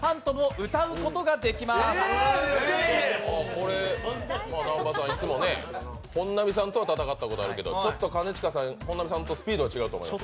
これは南波さん、いつも本並さんとは戦ったことがあるけど、ちょっと兼近さん、本並さんとスピードが違うと思いますよ。